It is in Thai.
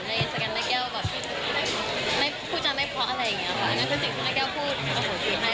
ไม่คิดว่าสะพานคู่เรากับเดชน์ไม่น่าจะรอดแล้วเลย